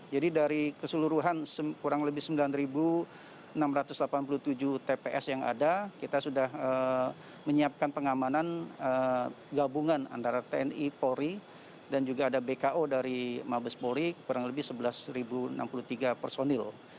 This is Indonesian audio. jadi dari keseluruhan kurang lebih sembilan enam ratus delapan puluh tujuh tps yang ada kita sudah menyiapkan pengamanan gabungan antara tni polri dan juga ada bko dari mabes polri kurang lebih sebelas enam puluh tiga personil